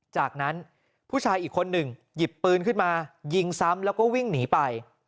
จากนั้นผู้ชายอีกคนหนึ่งหยิบปืนขึ้นมายิงซ้ำแล้วก็วิ่งหนีไป